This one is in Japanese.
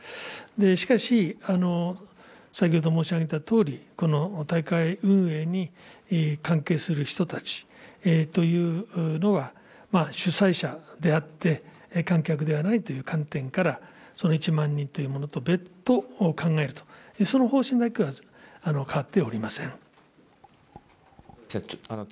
しかし、先ほど申し上げたとおり、この大会運営に関係する人たちというのは、主催者であって、観客ではないという観点から、その１万人というものと別途考えると、その方針だけは変わっておりません。